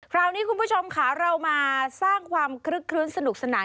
คราวนี้คุณผู้ชมค่ะเรามาสร้างความคลึกคลื้นสนุกสนาน